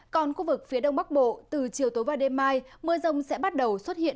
còn khu vực phía đông bắc bộ từ chiều tối và đêm mai mưa rông sẽ bắt đầu xuất hiện